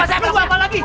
eh perlu apa lagi